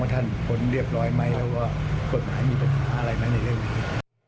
ว่าท่านผลเรียบร้อยไหมแล้วก็กฎหมายมีปัญหาอะไรมั้ยในเรื่องนี้